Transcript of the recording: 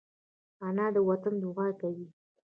انا د وطن دعا کوي